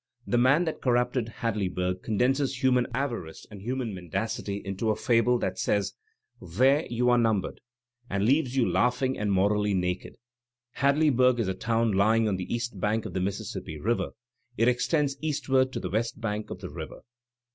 "The Man That Corrupted Hadleyburg" condenses human ava rice and hiunan mendacity into a fable that says, "There you are numbered," and leaves you laughing and moraUy naked. Hadleyburg is a town lying on the east bank of the Mississippi River; it extends eastward to the west bank of the river.